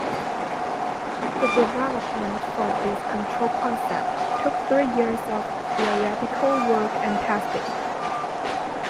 The development for this control concept took three years of theoretical work and testing.